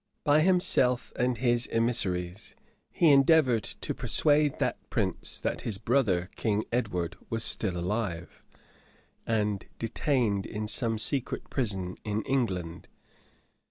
By himself and his emissaries he endeavored to persuade that prince that his brother, King Edward, was still alive, and detained in some secret prison in England.